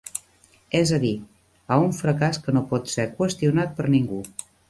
És a dir, a un fracàs que no pot ser qüestionat per ningú.